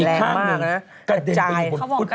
อีกข้างหนึ่งกระเด็นไปอยู่บนพุทธบาล